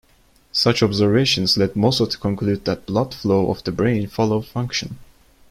Such observations led Mosso to conclude that blood flow of the brain followed function.